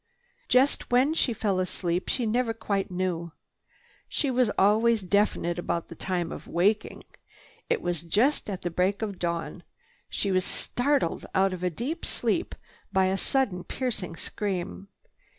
Just when she fell asleep she never quite knew. She was always definite about the time of waking—it was just at the break of dawn. She was startled out of deep sleep by a sudden piercing scream.